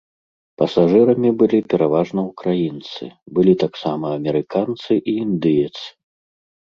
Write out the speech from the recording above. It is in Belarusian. Пасажырамі былі пераважна ўкраінцы, былі таксама амерыканцы і індыец.